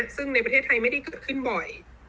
ซึ่งในประเทศไทยไม่ได้เกิดขึ้นบ่อย